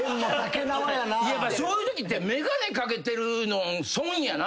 やっぱそういうときって眼鏡掛けてるのん損やな。